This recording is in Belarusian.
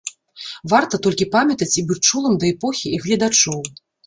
Варта толькі памятаць і быць чулым да эпохі і гледачоў.